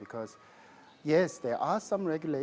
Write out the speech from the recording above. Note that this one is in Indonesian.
karena ya ada beberapa peraturan